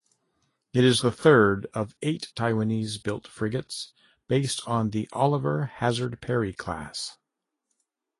It is the third of eight Taiwanese-built frigates based on the "Oliver Hazard Perry"-class.